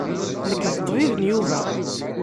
Nekk d ṭṭbib n Yuba.